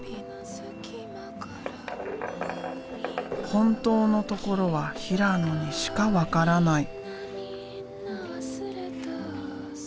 本当のところは平野にしか分からない。